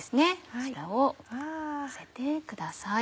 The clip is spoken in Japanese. こちらをのせてください。